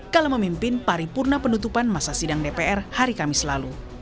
kalau memimpin paripurna penutupan masa sidang dpr hari kamis lalu